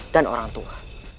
dan orang tua